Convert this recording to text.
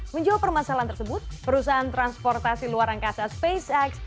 menjawab permasalahan tersebut perusahaan transportasi luar angkasa spacex